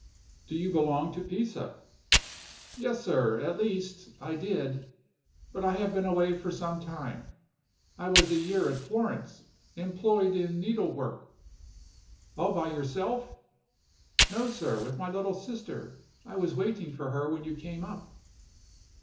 "Do you belong to Pisa?" "Yes, sir at least, I did. But I have been away for some time. I was a year at Florence, employed in needlework." "All by yourself?" "No, sir, with my little sister. I was waiting for her when you came up."